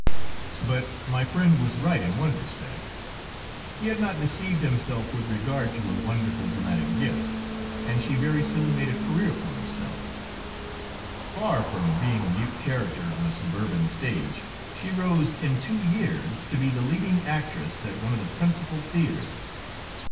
But my friend was right in one respect. He had not deceived himself with regard to her wonderful dramatic gifts, and she very soon made a career for herself; far from being a mute character on a suburban stage, she rose in two years to be the leading actress at one of the principal theaters.